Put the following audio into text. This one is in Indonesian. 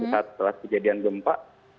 setelah kejadian gempa